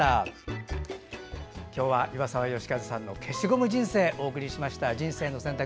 今日は岩沢善和さんの消しゴム人生お送りしました「人生の選択」。